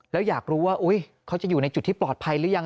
แล้วอยากรู้ว่าเขาจะอยู่ในจุดที่ปลอดภัยหรือยัง